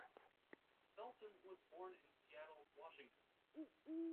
Felton was born in Seattle, Washington.